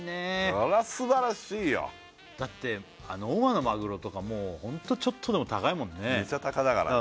これは素晴らしいよだって大間のマグロとかもうホントちょっとでも高いもんねメチャ高だからね